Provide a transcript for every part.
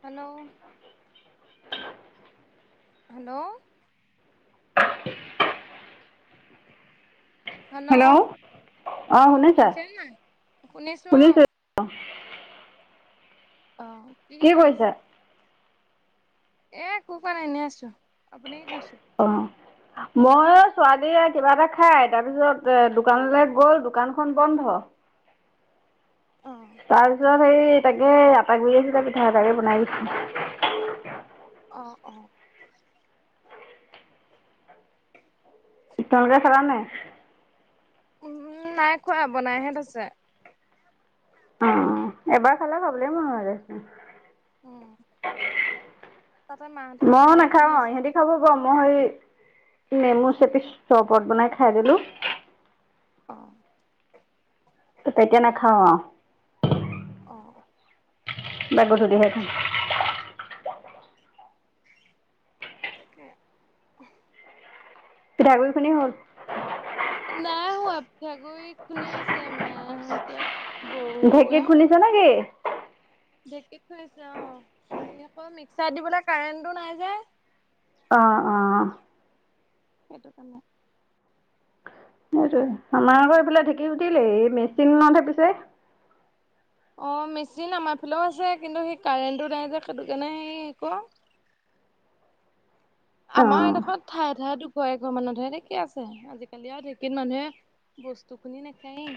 Hello? Hello? Hello? অ' শুনিছে নে নাই? শুনিছোঁ অ'। অ'। কি - কি কৰি আছে? একো পোৱা নাই। এনে আছোঁ। আপুনি কি কৰিছে? অ মই অ'- ছোৱালীয়ে কিবা এটা খায়। তাৰপিছত এ- দোকানলৈ গ'ল, দোকানখন বন্ধ। অ তাৰপিছত সেই তাকে আটা গুৰি আছিলে, পিঠা এটাকে বনাই দিছোঁ। অ' - অ'। তোমালোকে খালা নাই? উম, নাই খোৱা। বনাইহে থৈছে। অ' এবাৰ খালে খাবলৈ মন নাযায় চোন। উম তাতে মাহঁতে মই পিঠাগুৰি খুন্দি নাখাওঁ। আছে যে সিহঁতি খাব ব। মই হেৰি নেমু চেপি চৰ্বত বনাই খাই দিলোঁ। অ'। তো তেতিয়া নাখাওঁ আও। অ। গা গধূলি হে ধুম। এনেকে। পিঠা গুৰি খুন্দি হ'ল। নাই হোৱা পিঠা গুৰি খুন্দি আছে আমাৰ এতিয়া। ঢেকীত খুন্দিছে নে কি। ঢেঁকীটো আছে অ। এই অকল মিক্সাত দিবলে কাৰেণ্টটো নাই যে। আহ অ। সেইটো কাৰণে। সেইটোয়ে। আমাৰ আক কাৰণে এইফালে ঢেঁকী উঠিলেই মেচিন পিছে। অ মেচিন আমাৰ ফালেও আছে কিন্তু সেই কাৰেণ্টটো নাই যে সেইটোকাৰনে সেই আকো। [inaudible] অ আমাৰ এডোখৰ ঠায়ে ঠায়ে টো কৰে। ঘৰ মানে ঢেকি আছে। আজিকালি আৰু ঢেকিত মানুহে বস্তু খুন্দি নেখায়েই।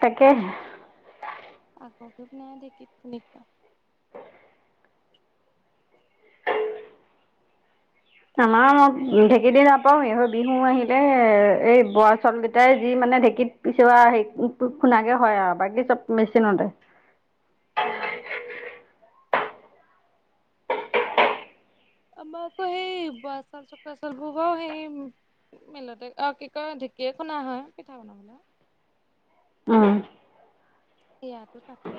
তাকেহে। আগক নাই দেখি খুন্দিব। আমাৰ মোক এতিয়া ঢেকী দি নাপাওঁ এইহত। বিহু আহিলে এই বৰা চলকেইটাই যি মানে ঢেঁকীত পিছোৱা হেৰি খুন্দাকে হয়। বাকী চব মেচিনতে। উম। আমাৰটো সেই বৰা চাউল ছ চাল বুৱাও সেই। [unintelligible] মিলতে অ কি কয় ঢেকীয়ে খুন্দা হয় পিঠা বনাবলে। উম। সেইয়া কথাটো।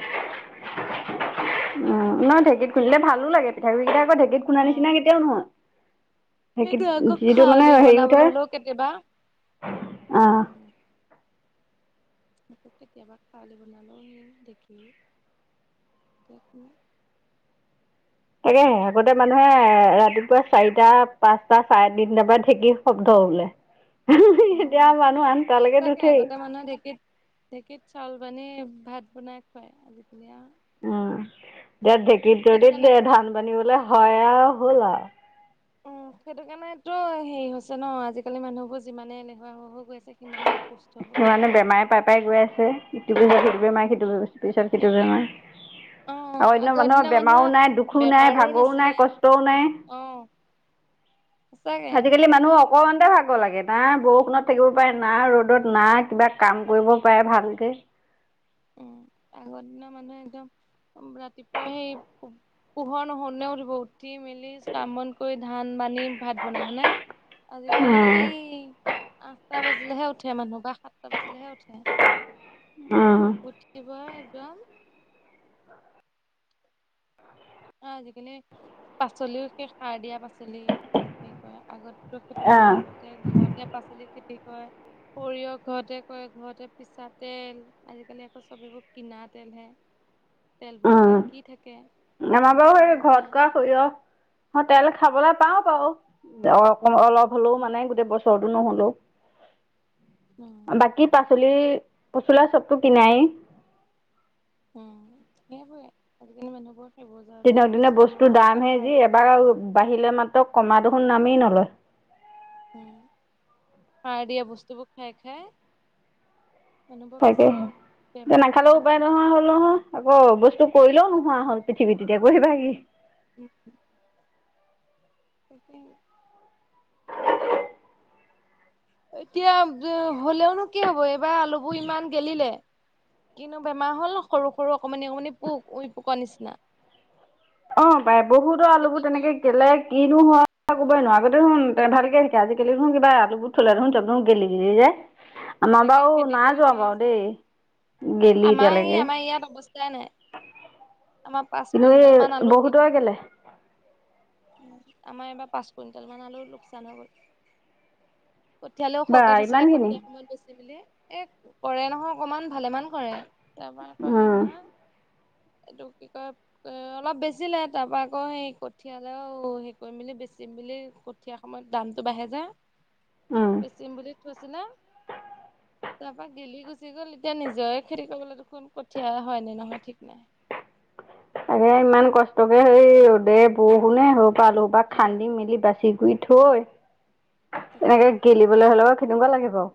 মই ঢেঁকীত খুন্দিলে ভাল লাগে পিঠাগুৰি কেইটা যে ঢেঁকীত খুন্দিলে নিচিনা কেতিয়াও নহয়। ঢেঁকীত সেইটো আকৌ যিটো মানে খালি হেৰি উঠে বনাবলৈ হ'লেও কেতিয়াবা। অ উম। মো কেতিয়াবা খালি বনালোহি দেখিহ কেখোন। তাকেহে হেবোতে মানুহে ৰাতিপুৱা চাৰিটা পাঁচটা চাৰে তিনিটাৰ পৰা ঢেঁকী শব্দ। ক বোলে। অ সঁচাকে নুঠেই আগতে মানুহে ঢেঁকীত ঢেঁকীত চাউল বানী। ভাত বনাই খোৱাই আজি। উম দে ঢেকি তো সেইটো দে কাৰণে ধান বানিবলে,। হয়ে আও হ'ল আও। উম, সেইটো কাৰণেতটো হেৰি হৈছে ন। আজিকালি মানুহবোৰ যিমানে এলেহুৱা হৈ হৈ গৈ আছে সিমানেই। সমানে বেমাৰে পাই পাই গৈ আছে। সেইটো পিছত‌‌ সেইটো বেমাৰ সেইটো পিছত সেইটো সেইটোৱে বেমাৰ। অ', অন্য আগৰ মানুহৰ দিনৰ বেমাৰো নাই দুখো নাই বেমাৰো ভাগৰও নাই নাছিলে কষ্টও নাই। অ', সঁচাকে আজিকালি মানুহ। অকণমানতে ভাগ লাগে না বৰষুণত থাকিব পাৰে না ৰ'দত। নাই কিবা কাম কৰিব পাৰে ভালকে। উম, আগৰ দিনা মানুহে একদম ৰাতিপুৱা সেই পোহৰ নহও তেই উঠিব। উঠি মেলি কাম বন কৰি ধান বানি ভাত বনাই হনে। আজি কালি। আঠটা বাজিলেহে উঠে মানুহ বা সাতটা বাজিলেহে উঠে। অ। উঠিব একদম। অ আজিকালি পাচলিও স সাৰ দিয়া পাচলি। সেই কয় আগত। [unintelligible] নহয় আগতে ঘৰতে পাচলি খেতি। কৰে [inaudible] সৰিয়হ ঘৰতে কয ঘৰতে পিছা তেল আজিকালি আকৌ চবিবোৰ কিনা তেলহে তেল বোৱত বা কি থাকে? আমাৰ ঘৰত আগতেতো সেইবোৰ নাই কৰা সৰিয়হ তেল খাবলৈ পাও বাউ অলপ হ'লেও উম মানে গোট বছৰতো নহ'লেও বাকী পাচলি পচলা চবতো কিনাই উম সেইবোৰে আজিকালি মানুহবোৰ সেইবোৰ যাওঁতে দিনক দিনে বেছি বস্তুৰ বেমাৰবোৰ যে দামহে সাৰ যি দিয়া এবাৰ পাচলি বাঢ়িলে মাত্ৰ কমাটো সুন নামেই নলয় উম সাৰ দিয়া বস্তুবোৰ খাই খাই অনুভৱ তাকেহে বেছি এতিয়া বেমাৰ হৈছে নাখালেও উপায় অসুস্থ নোহোৱা হল নহয় আকৌ বস্তু কৰিলেও হৈছে নোহোৱা হল পৃথিৱী তেতিয়া কৰিবা কি? [unintelligible] তাকে। এতিয়া হলেও নো কি হ'ব এইবাৰ আলুবোৰ ইমান গেলিলে। কিনো বেমাৰ হ'ল সৰু সৰু অকমানি অকমানি পোক উই পোক নিচিনা। অ পাই বহুতো খেতি আলুবোৰ কৰি তেনেকে গেলে কিনো হয়। কথাকবই নোৱাৰ আগতে শুন ভালকে থাকে আজিকালি নুনিব আলু বু থ'লে আৰু শুন চ গেলি গেলি যায় [unintelligible] আমাৰ তাকে বও খেতি না কৰি যোৱা সেয়াই বাৰও যে দেই গেলি আমাৰ এতিয়ালৈকে ই আমাৰ ইয়াত অৱস্থাই নাই। আমাৰ পাঁচ লৈয়ে বহুতৰ গেলে উম আমা এইবাৰ পাঁচ কুইণ্টেল মান আলু লোকচান হৈ গ'ল৷ কঠিয়ালেও বা শকে থৈছিলে আছিলে ইমানখিনি কঠীয়া সময়ত বেছি মেলি, এ কৰে নহয় অকমান। ভালেমান কৰে তাৰ পৰা আকৌ হেৰি উম নহয় [inaudible] এইটো কি কয় অলপ বেছিলে তাপা আকৌ সেই কঠিয়ালে হেৰি কৰি মেলি বেচি মেলি কঠীয়া সময়ত দামতটো বাঢ়ে যে উম বেছিম বুলি থৈছিলে তাৰ পৰা গেলি গুচি গ'ল এতিয়া নিজৰে খেতি কৰিবলৈ দেখোন কঠিয়া হয় নে নহয় ঠিক নাই। তাকে ইমান কষ্টকে সেই ৰ'দে, বৰষুণে আলু বা উম খান্দি মেলি বাচি গুই থৈ এনেকে তাকেইতো গেলিবলৈ হ'লে বাও কেনেকুৱা লাগে বাও।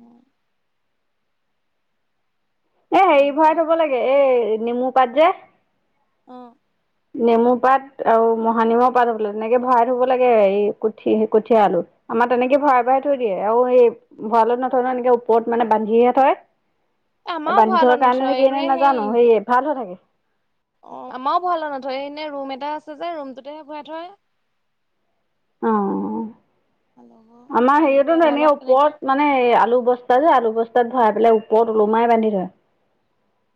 উম এ হেৰি হাল বোৱা ভৰাই থব লাগে এই নেমু পাত যে অ নেমু পাত আৰু মহানিমৰ পাত হ'ব লাগে। তেনেকে ভৰাই থ'ব লাগে এই কঠি কঠীয়া আলুত। আমাৰ তেনেকে ভৰাই ভৰাই থৈ দিয়ে আৰু এই ভঁৰালত নথৈ ন এনেকে ওপৰত মানে বান্ধিহে থয় এ' আমাৰো বান্ধি ভঁৰালত থোৱাৰ কাৰণে নথয় নেকি এনে এনেই নাজানো সেই সেয়ে ভাল হৈ থাকে। অ আমাৰো ভৰা ল নথয় এনেই ৰুম এটা আছে যে ৰুমটোতেহে ঘূৰাই থয়। অ আমাৰ আলু হেৰিয়তো এনে ৰঙালাও তেনেকে ওপৰত মানে আলু বস্তা যে আৰু বস্তাত ভৰাই পেলাই ওপৰত ওলোমাই বান্ধি থই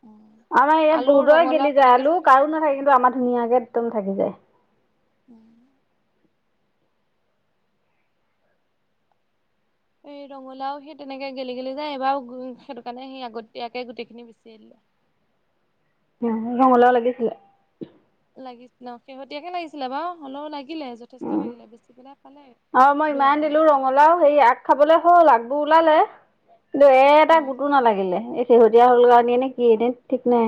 উম আমাৰ ইয়াত আলু বহুতৰে ৰঙালাও গেলি যায় তেনেকে আলু কাৰো চব নাথাকে কিন্তু আমাৰ ধুনীয়াকে একদম থাকি যায় উম। এই ৰঙালাও সেই তেনেকে গেলি-গেলি যায় এইবাৰো সেইটো কাৰণে সি আগতীয়াকে গোটেই খিনি বেচিয়ে দিলো৷ উম ঘাম ওলাব লাগিছিলে লাগিছিল ন শেহতীয়াকে লাগিছিলে বাও হ'লেও লাগি উ অ মই ইমান দুহেজাৰ দিলো মান। ৰঙালাও সেই আগ খাবলে হ'ল আও ওলালে দে এটা উম। কতো নালাগিলে শেহতীয়া হ'ল কাৰণে নে কি এনেই ঠিক নাই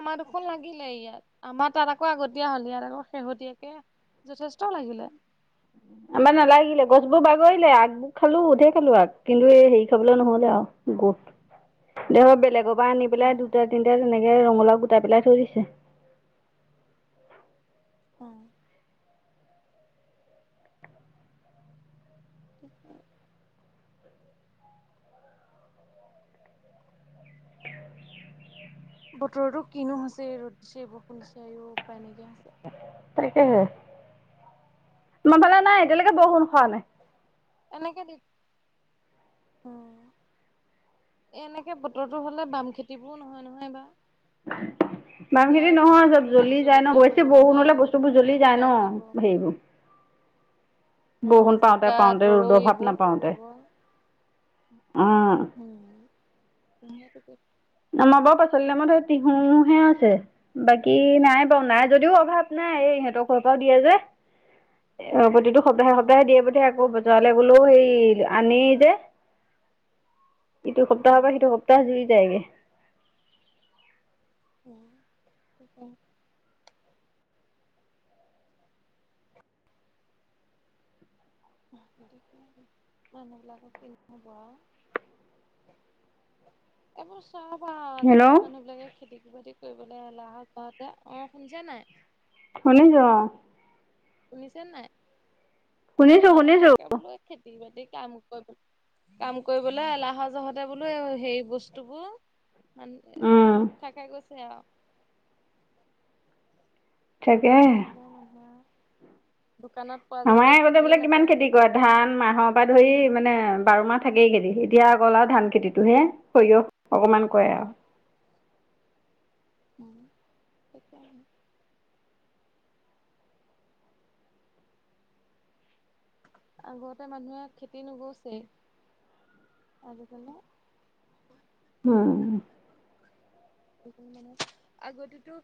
আমাৰ দুখন লাগিলে ইয়াত আমাৰ তাত আকৌ আগতীয়া হল ইয়াত আকৌ শেহতীয়াকে যথেষ্ট লাগিলে। আমাৰ নালাগিলে, গছবোৰ বাগৰিলে আগবোৰ খালো ঢেৰ খালো আগ, কিন্তু হেৰি খাবলৈ নহলে আও। গোট দে বেলেগৰ পৰা আনি পেলাই দুটা তিনিটা তেনেকে ৰঙালাউ গুটি তে পেলাই থৈ দিছে। অ। [unintelligible] বতৰতো কিনো হৈছে ৰ'দ দিছে বৰষুণ দিছে আও উপায় নাইকিয়া হৈছে। তাকে আমাৰ ফালে নাই এতিয়ালৈকে বৰষুণ সৰা নাই এনেকে দি উম। এ এনেকে বতৰৰতো হলে বাম খেতি বোৰ নহয় নহয় এইবাৰ [unintelligible] বাম এতিয়া খেতি নহয় চব ধৰি লওক জ্বলি যায় ন জলকীয়া বছি কৰিব বৰষুণ মানুহে হলে বস্তুবোৰ জ্বলি যায় জিকা ন কৰিব হেৰিবোৰ৷ অ বষুণ পাওঁতে জিকা পাওঁতে ৰদ তৰৈ ভাৱ এইবোৰ নাপাওঁতে কৰিব অঁ উম হেতুকে। আমাৰ বাওঁ পাচলি নামতহে তিহুহে আছে বাকী নাই বাৰু নাই যদিও অভাৱ নাই। এই ইহঁতৰ ঘৰ পৰাও দিয়ে যে অ প্ৰতিটো সপ্তাহে অ সপ্তাহে দিয়ে পঠিয়াই আকৌ যোৱালে বোলো সেই আনি যে- ইটো অ সপ্তাহৰ পৰা সিটো সপ্তাহ জুৰি যায়গে উম তাকে। মানুহ বিলাকক কিনি হ'ব আও এইবোছ চাপ অ আজিকালি হেল্ল' মানুহ বিলাকে খেতি বাতি কৰিবলৈ এলাহতহতে অ শুনিছা নাই শুনি য- শুনিছে নাই অ শুনিছো মানুহ শুনিছো বিলাকে বোলো খেতি বাতি কাম কৰিব কাম কৰিবলৈ এলাহ যহতে বোলো সেই বস্তুবো মান লুক খাই খাই গৈছে আৰু তাকে সেইবিলাক মানুহে আও আমাৰ আগতে বোলে কিমান নকৰে খেতি কৰে, ধান, মাহৰ পৰা ধৰি মানে বাৰ মাহ থাকেই খেতি, এতিয়া অকল আও ধান খেতিটো হে সৰিয়হ অকমান কৰে আও। উম উম সেইটোৱে [unintelligible] আগতে মানুহে খেতি নোগোছেই আজি কালি উম। দুদিন মানত আগতেতো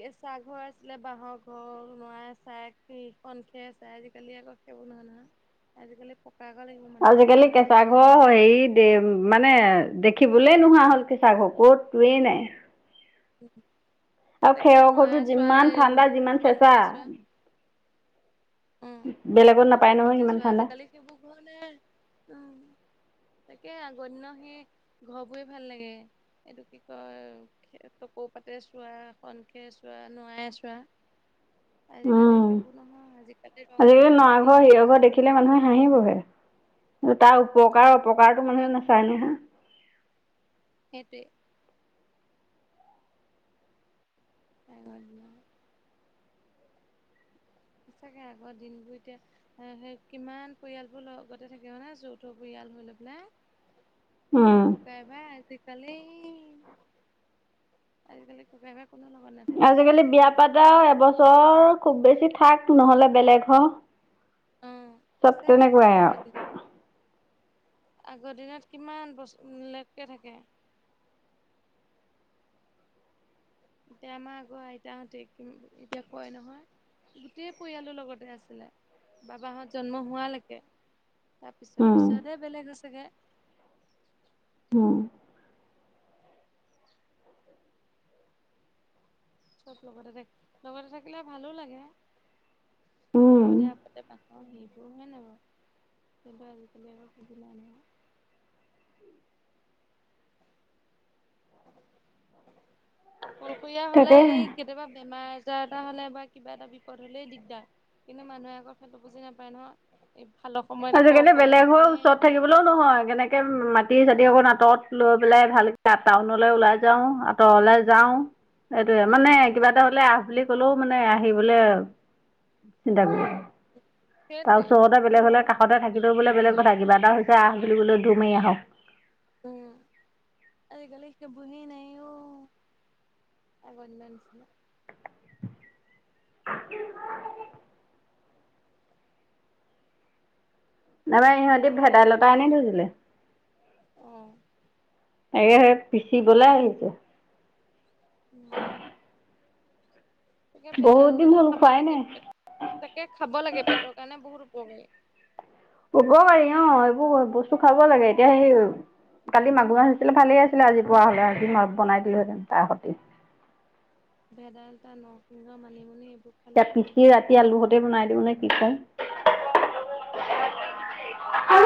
কেঁচা ঘৰ আছিলে বাঁহৰ ঘৰ নোৱাই চাই। কন খে আছে আজিকালি আকৌ সেইবোৰ নহয় নহয়। আজিকালি প আজিকালি কেঁচা ঘৰ হয় লাগে হেৰি মানে দেখি দেখিবলৈ নোহোৱা হ'ল কেঁচাৰ ক'ততোৱেই নাই [unintelligible] আৰু তাকে খেৰ নৰা ঘৰটো চোৱা যিমান এই ঠাণ্ডা যিমান চেঁচা উম বেলেগত টকৌ নাপায় নহয় পাতে সিমান চোৱা ঠাণ্ডা আজিকালি সেইবোৰ ঘৰ নাই উম। তাকে আগৰ দিনৰ সেই ঘৰ বোৰে ভাল লাগে এইটো কি কয় তকৌপাতে চোৱা খন খে চোৱা নোৱাই চোৱা [inaudible] আজিকালি উম সেইবোৰ নহয় আজি আজিকালি নৰা ঘৰ হিৰহ ঘৰ দেখিলে মানুহে ভয় হাঁহি বহে তাৰ লাগে উম উপকাৰ অপকাৰতো ধক মানুহে নাচাই নহয়। সেইটোৱে তাই হ'ল বোলে আও। চাগে আগৰ দিনবোৰ এতিয়া সেই কিমান পৰিয়ালবোৰ লগতে থাকে হয় নে, যৌথ পৰিয়াল ডাল ধৈ লৈ পেলাই। [unintelligible] উম ককাই বাই আজিকালি আজিকালি ককাই ভাই কোনো লগত নাথাকে চব আজিকালি বেলেগ বিয়া বেলেগ পাতা এবছৰ খুব বেছি থাক নহলে বেলেগ হ অ চব সঁচাকে তেনেকুৱাই আগৰ আৰু দিন আগৰ দিনত কিমান বছ লেটকে থাকে। এতিয়া আমাৰ আগৰ আইতাহঁতে কি এতিয়া কয় নহয় গোটেই পৰিয়ালৰ লগতে আছিলে বাবাহঁত জন্ম হোৱালৈকে তাৰপিছৰ উম পিছত বেলেগ চাগে অ। চব লগতে থাক লগতে থাকিলে ভালো লাগে উম বিপদে আপদে পা- অ সেইবোৰ হয় নাই বাও সেইবা আজিকালি আকৌ সুজিলা নহ- [inaudible] অকলশৰীয়া হ'লে তাকেহে সেই কেতিয়াবা বেমাৰ যাৰ তাৰ হলে বা কিবা এটা বিপদ হলেই দিগদাৰ কিন্তু মানুহে আকৌ খেলটো বুজি নাপায় নহয় ভালৰ সময়ত আজি আকৌ কালি অকলে বেলেগ হৈ থাকিবলে ওচৰত থাকিবলৈও নহয় কেনেকে উ মা চতি চতি অকণ আঁতত লৈ পেলাই ভালকে টাউনলৈ ওলাই যাওঁ আঁতৰলৈ যাওঁ। এই টোৱে উম মানে কিবা এটা হলে আহ বুলি কলেও মানে আহিবলৈ চিন্তা কৰিব। তাৰ সেইটোৱে ওচৰতে বেলেগ হলে কাষ সদায় থাকিলেও বোলে বেলেগ কথা কিবা এটা হৈছে আহ বুলিবলৈ দমাৰি আহক আজি গালিকে বুহি নাই অ আগৰদিন নিচিনা [unintelligible] নবাৰ ইহঁতি ভেদাইলতা এনে ধুছিলে? অহ এ পিচিবলে আহিছে [inaudible] তাকে বহুত দিন ভেদাইলতাটো হ'ল খাব খোৱাই লাগে নাই তাকে খাব লাগে পেটৰ কাৰণে বহুত কমে উব পাৰি অ এইবোৰ বস্তু খাব লাগে এতিয়া সেই কালি মাগুৰ মাছ আছিলে ভালেই আছিলে আজি পুৱা হ'লে আজি ম বনাই দিলোহেঁতেন তাৰ সতি ভেদাইলতা নৰসিংহ মানিমুনি এতিয়া খালে ভাল। পিচি ৰাতি আলুহতে বনাই দিওঁ নে আছা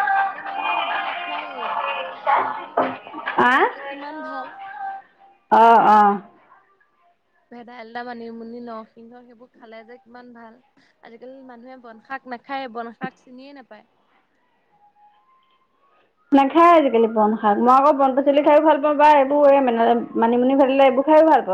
আজিকালি মানুহে সেইবোৰ নাখায় কিন্তু- খালে কিমান ভাল। অহ। ভেদাইলতা মানিমুনি নৰসিংহ সেইবোৰ খালে যে কিমান ভাল আজিকালি মানুহে বনশাক শাক নাখায় বনশাক চিনিয়ে নাপায়। [unintelligible] নাখাই আজিকালি বন শাক মই আকৌ বন পাচলি খাইও ভাল পাওঁ বা এইবোৰ এই মানে মানিমুনি ভাবিলে এইবোৰ খাই ভাল পাওঁ